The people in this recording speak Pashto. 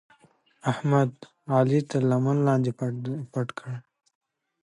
احمد؛ علي تر لمن لاندې پټ کړ.